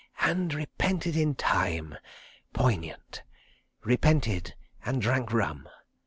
... And repented in time. ... Poignant. ... Repented and drank rum.